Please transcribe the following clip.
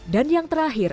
dan yang terakhir